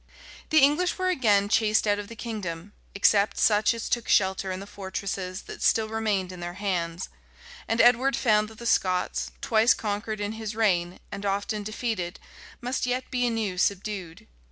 The English were again chased out of the kingdom, except such as took shelter in the fortresses that still remained in their hands; and Edward found that the Scots, twice conquered in his reign, and often defeated, must yet be anew subdued.